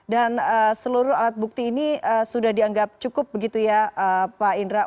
dan seluruh alat bukti ini sudah dianggap cukup begitu ya pak hendra